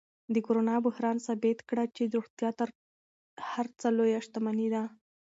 د کرونا بحران ثابت کړه چې روغتیا تر هر څه لویه شتمني ده.